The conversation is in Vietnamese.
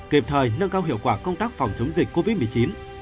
kịp thời nâng cao hiệu quả công tác phòng chống dịch covid một mươi chín